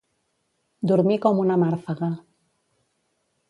Dormir com una màrfega.